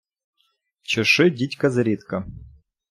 Чеши дідька зрідка.